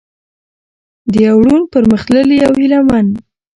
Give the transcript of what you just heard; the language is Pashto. د يو روڼ، پرمختللي او هيله من